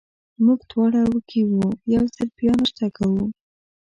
موږ دواړه وږي وو، یو ځل بیا ناشته کوو.